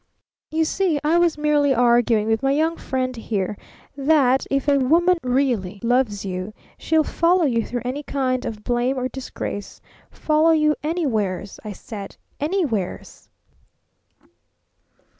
"You see, I was merely arguing with my young friend here that if a woman really loves you, she'll follow you through any kind of blame or disgrace follow you anywheres, I said anywheres!"